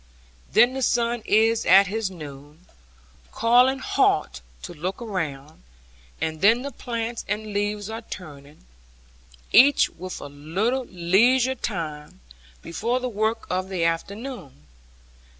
Then the sun is at his noon, calling halt to look around, and then the plants and leaves are turning, each with a little leisure time, before the work of the afternoon.